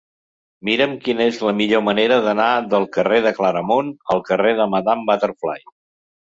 Mira'm quina és la millor manera d'anar del carrer de Claramunt al carrer de Madame Butterfly.